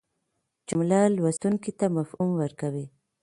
جمله لوستونکي ته مفهوم ورکوي.